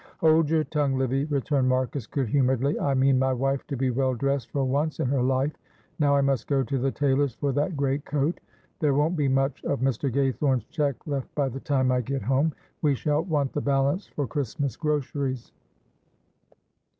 "Hold your tongue, Livy!" returned Marcus, good humouredly. "I mean my wife to be well dressed for once in her life. Now I must go to the tailor's for that great coat. There won't be much of Mr. Gaythorne's cheque left by the time I get home. We shall want the balance for Christmas groceries."